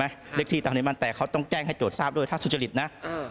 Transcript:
เรียกที่ตามภูมิเนาบ้านแต่เขาต้องแจ้งให้โจทธทราบด้วยถ้าสุจริตนะ